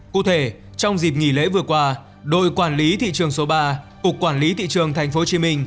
cụ thể trong dịp nghỉ lễ vừa qua đội quản lý thị trường số ba cục quản lý thị trường tp hcm